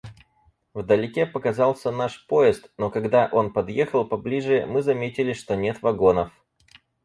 Вдалеке показался наш поезд, но когда он подъехал поближе, мы заметили, что нет вагонов.